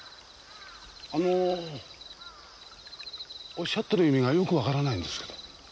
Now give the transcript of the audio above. あのおっしゃってる意味がよくわからないんですけど。